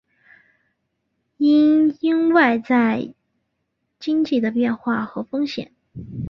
因应外在经济的变化和风险